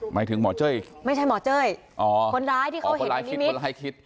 หมายถึงหมอเจ้ยไม่ใช่หมอเจ้ยอ๋อคนร้ายที่เขาเห็นนิดนิดอ๋อคนร้ายคิดคนร้ายคิด